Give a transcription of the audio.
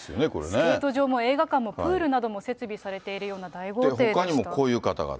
スケート場も映画館もプールも設備されているような大豪邸でほかにもこういう方々。